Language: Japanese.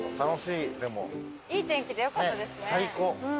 いい天気でよかったですね。